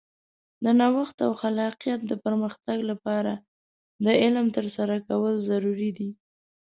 د نوښت او خلاقیت د پرمختګ لپاره د علم ترلاسه کول ضروري دي.